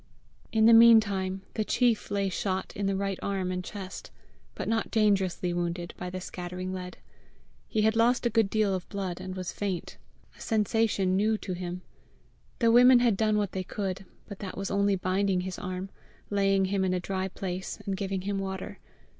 In the mean time the chief lay shot in the right arm and chest, but not dangerously wounded by the scattering lead. He had lost a good deal of blood, and was faint a sensation new to him. The women had done what they could, but that was only binding his arm, laying him in a dry place, and giving him water.